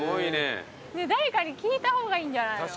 誰かに聞いた方がいいんじゃないの？